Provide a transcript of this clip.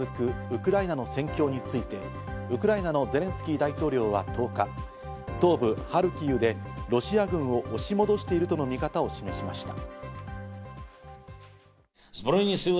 ウクライナの戦況についてウクライナのゼレンスキー大統領は１０日、東部ハルキウでロシア軍を押し戻しているとの見方を示しました。